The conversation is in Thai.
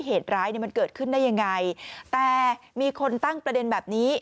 เหตุร้ายเนี่ยมันเกิดขึ้นได้ยังไงแต่มีคนตั้งประเด็นแบบนี้